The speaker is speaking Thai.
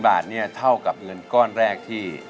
๑๐บาทเท่ากับเงินก้อนแรกที่